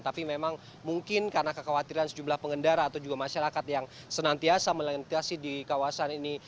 tapi memang mungkin karena kekhawatiran sejumlah pengendara atau juga masyarakat yang senantiasa melintasi di kawasan ini